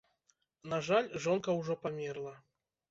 На жаль, жонка ўжо памерла.